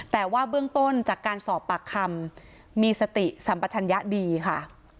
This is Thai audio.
แต่ว่าเบื้องต้นจากการสอบปากคำมีสติสัมปชัญญะดีค่ะ